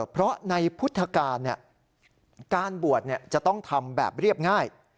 เพราะในพุทธกาลการบวชจะต้องทำแบบเรียบง่าย